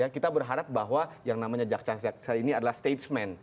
kita berharap bahwa yang namanya jaksa jaksa ini adalah statement